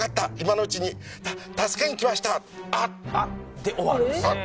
で終わるんですよ。